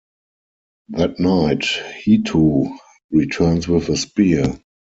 That night, Hitu returns with a spear.